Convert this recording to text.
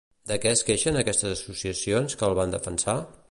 De què es queixen aquestes associacions que el van defensar?